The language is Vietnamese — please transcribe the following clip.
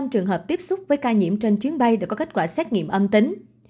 năm trường hợp tiếp xúc với ca nhiễm trên chuyến bay đã có kết quả xét nghiệm âm tính